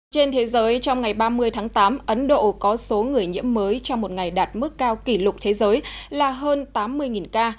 trên thế giới trong ngày ba mươi tháng tám ấn độ có số người nhiễm mới trong một ngày đạt mức cao kỷ lục thế giới là hơn tám mươi ca